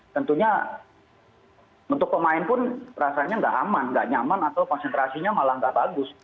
tentunya untuk pemain pun rasanya nggak aman nggak nyaman atau konsentrasinya malah nggak bagus